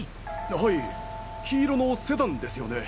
はい黄色のセダンですよね。